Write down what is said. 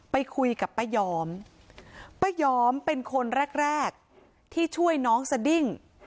ไปคุยกับป้ายอมป้ายอมเป็นคนแรกแรกที่ช่วยน้องสดิ้ง